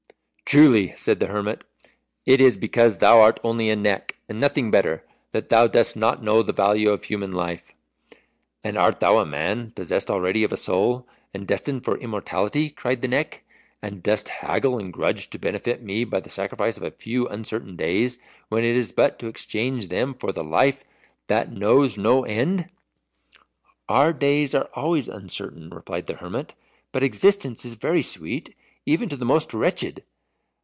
"Truly," said the hermit, "it is because thou art only a Neck, and nothing better, that thou dost not know the value of human life." "And art thou a man, possessed already of a soul, and destined for immortality," cried the Neck, "and dost haggle and grudge to benefit me by the sacrifice of a few uncertain days, when it is but to exchange them for the life that knows no end?" "Our days are always uncertain," replied the hermit; "but existence is very sweet, even to the most wretched.